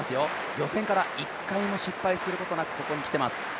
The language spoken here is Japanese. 予選から１回も失敗することなくここに来ています。